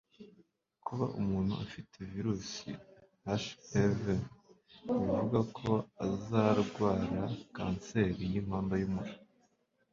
Kuba umuntu afite virusi HPV ntibivuga ko azarwara kanseri y'inkondo y'umura.